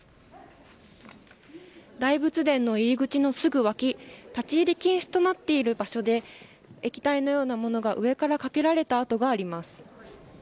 大仏殿の入り口のすぐ脇立ち入り禁止となっている場所で液体のようなものが上からかけられた跡があります。